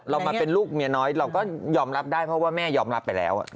เรามาเป็นลูกเมียน้อยเราก็ยอมรับได้เพราะว่าแม่ยอมรับไปแล้ว